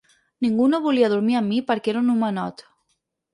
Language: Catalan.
Ningú no volia dormir amb mi perquè era un “homenot”.